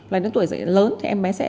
là đến tuổi lớn thì em bé sẽ